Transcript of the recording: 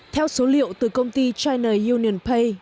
theo số liệu từ công ty china union pay